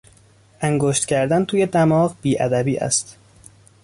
انگشت کردن توی دماغ بیادبی است.